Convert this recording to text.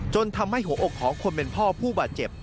จนทำให้หัวอกของคนเป็นพ่อผู้บาดเจ็บ